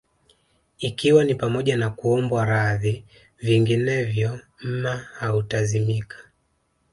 Ikiwa ni pamoja na kuombwa radhi vinginevyo mma hautazimika